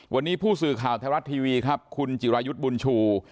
วันนี้ผู้สื่อข่าวไทยรัฐทีวีครับคุณจิรายุทธ์บุญชู